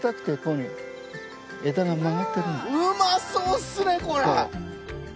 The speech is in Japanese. うまそうっすねこれ！